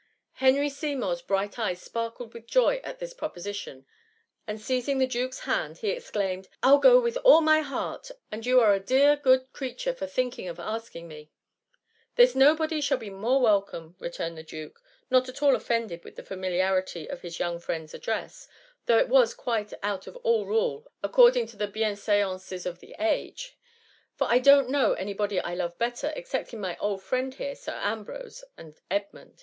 Henry Seymours bright eyes sparkled with joy at this proposition, and seizing the duke^s hand, he excliumed,— rU go with all my heart— and you are it dear good creature for thinking of asking me !^^There's nobody shall be more welcome,^ returned the duke, not at all offended with the familiarity of his young friend^s address, though it was quite out of all rule according to the biinseancei of the age ;*' for I don't know any body I love better, excepting my old friend here. Sir Ambrose, and Edmund.